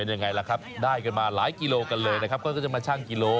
ยังไงล่ะครับได้กันมาหลายกิโลกันเลยนะครับก็จะมาชั่งกิโล